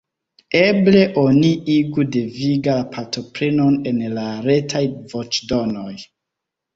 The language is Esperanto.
Eble oni igu deviga la partoprenon en la Retaj voĉdonoj.